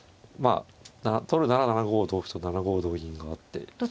取るなら７五同歩と７五同銀があって。